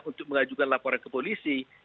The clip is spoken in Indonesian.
untuk mengajukan laporan ke polisi